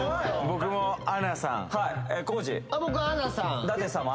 僕アナさん